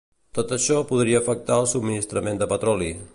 Tot això podria afectar el subministrament de petroli.